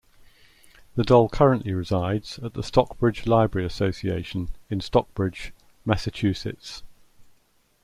The doll currently resides at the Stockbridge Library Association in Stockbridge, Massachusetts.